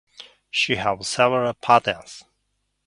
She has several patents.